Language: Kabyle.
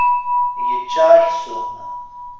Yeĉĉa aksum.